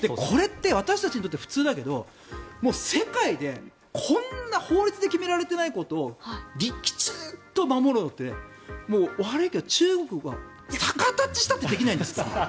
これって私たちにとっては普通だけど世界でこんな法律で決められていないことを守るのって悪いけど、中国は逆立ちしたってできないんです。